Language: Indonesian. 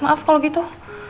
maaf kalau gitu